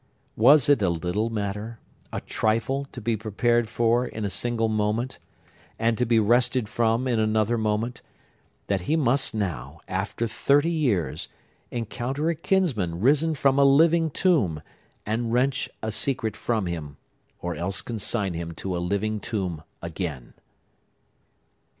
Was it a little matter—a trifle to be prepared for in a single moment, and to be rested from in another moment,—that he must now, after thirty years, encounter a kinsman risen from a living tomb, and wrench a secret from him, or else consign him to a living tomb again?